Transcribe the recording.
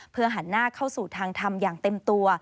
เพื่อหันหน้าเข้าสู่ทางทำอย่างเต็มตัว